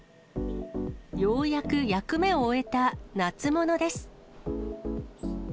ようやく役目を終えた夏物です。